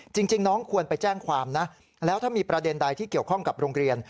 จริงน้องควรไปแจ้งความนะแล้วถ้ามีประเด็นใดที่เกี่ยวข้องกับโรงเรียน